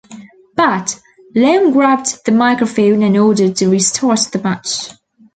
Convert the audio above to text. But, Long grabbed the microphone and ordered to restart the match.